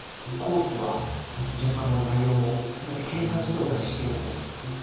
コースは順番も内容も全て計算してお出ししているんです。